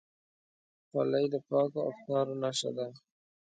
خولۍ د پاکو افکارو نښه ده.